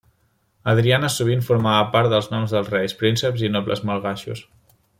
Andriana sovint formava part dels noms dels reis, prínceps i nobles malgaixos.